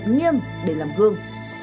nghiêm để làm gương